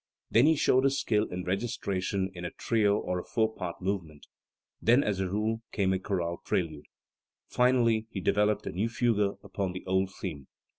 Then he showed his skill in registration in a trio or a four part movement; then, as a rule, came a chorale prelude. Finally he developed a new fugue upon the old theme.